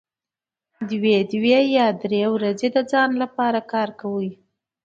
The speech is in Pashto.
دوی دوې یا درې ورځې د ځان لپاره کار کوي